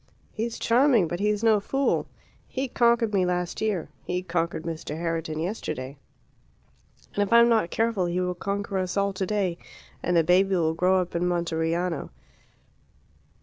He's charming, but he's no fool; he conquered me last year; he conquered Mr. Herriton yesterday, and if I am not careful he will conquer us all today, and the baby will grow up in Monteriano.